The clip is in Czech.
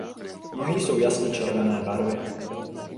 Nohy jsou jasně červené barvy.